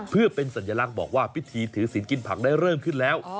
เพื่อเป็นสัญลักษณ์บอกว่าพิธีถือศิลปกินผักได้เริ่มขึ้นแล้ว